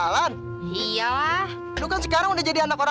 lu masih pengen jualan aja